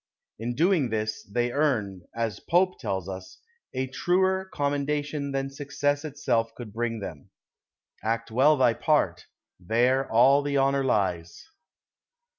In doing this they earn, as Pope tells us, a truer commendation than success itself could bring them. "Act well thy part; there all the honor lies."